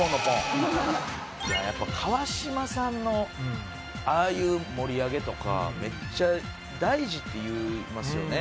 やっぱ川島さんのああいう盛り上げとかめっちゃ大事って言いますよね。